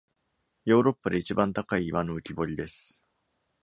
ヨーロッパで一番高い岩の浮き彫りです。